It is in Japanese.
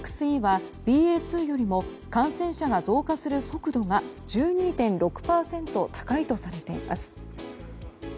ＸＥは、ＢＡ．２よりも感染者が増加する速度が１２．６％高いとされています。